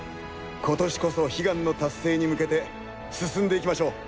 今年こそ悲願の達成に向けて進んでいきましょう。